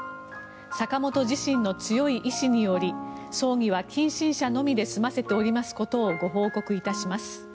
坂本自身の強い遺志により葬儀は近親者のみで済ませておりますことをご報告いたします。